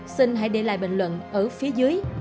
xin hãy để lại bình luận ở phía dưới